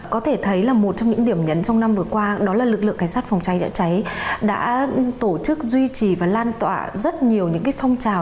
có thể thấy là một trong những điểm nhấn trong năm vừa qua đó là lực lượng cảnh sát phòng cháy chữa cháy đã tổ chức duy trì và lan tỏa rất nhiều những phong trào